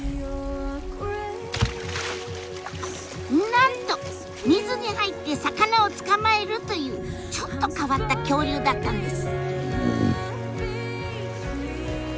なんと水に入って魚を捕まえるというちょっと変わった恐竜だったんです。